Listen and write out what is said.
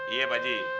iya pak ji